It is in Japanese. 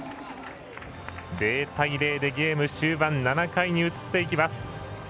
０対０でゲーム終盤７回に移っていきます。